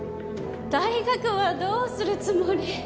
大学はどうするつもり？